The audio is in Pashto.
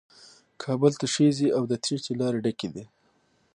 کابل تشېږي او د تېښې لارې ډکې دي.